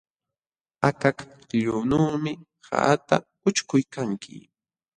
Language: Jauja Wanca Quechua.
Akakllunuumi qaqata ućhkuykanki.